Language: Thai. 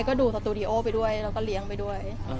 ก็ดูสตูดิโอไปด้วยแล้วก็เลี้ยงไปด้วย